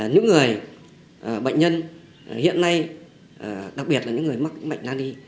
người bệnh nhân hiện nay đặc biệt là những người mắc bệnh nani